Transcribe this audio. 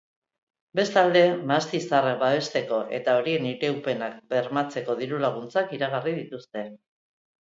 Bestalde, mahasti zaharrak babesteko eta horien iraupena bermatzeko diru-laguntzak iragarri dituzte.